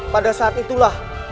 pada saat itulah